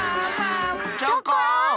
チョコン！